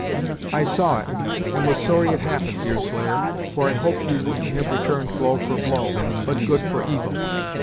"I saw it, and was sorry it happened, Deerslayer, for I hoped you wouldn't have returned blow for blow, but good for evil."